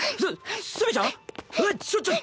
ちょちょちょっ！